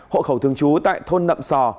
hội khẩu thường trú tại thôn nậm sò